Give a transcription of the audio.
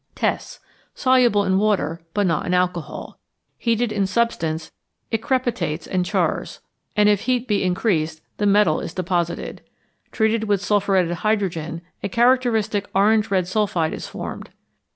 Tests. Soluble in water, but not in alcohol. Heated in substance, it crepitates and chars; and if heat be increased, the metal is deposited. Treated with sulphuretted hydrogen, a characteristic orange red sulphide is formed.